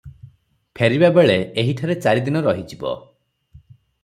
ଫେରିବାବେଳେ ଏହିଠାରେ ଚାରିଦିନ ରହିଯିବ ।